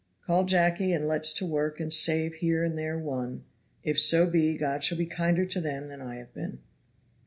Call Jacky and let's to work and save here and there one, if so be God shall be kinder to them than I have been."